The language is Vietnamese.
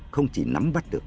không chỉ nắm bắt được